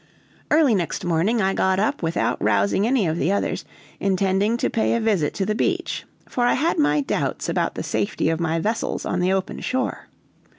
Early next morning I got up without rousing any of the others, intending to pay a visit to the beach; for I had my doubts about the safety of my vessels on the open shore.